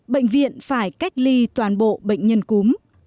bệnh viện phải cách ly toàn bộ bệnh nhân cúm